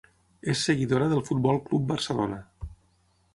És seguidora del Futbol Club Barcelona.